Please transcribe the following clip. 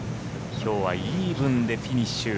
きょうはイーブンでフィニッシュ。